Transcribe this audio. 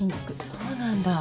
そうなんだ。